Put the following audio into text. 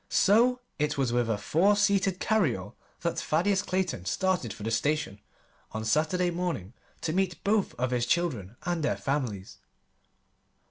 So it was with a four seated carryall that Thaddeus Clayton started for the station on Saturday morning to meet both of his children and their families.